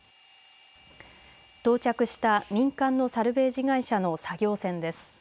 到着した民間のサルベージ会社の作業船です。